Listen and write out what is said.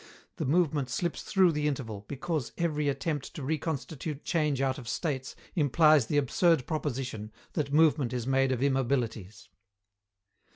The movement slips through the interval, because every attempt to reconstitute change out of states implies the absurd proposition, that movement is made of immobilities.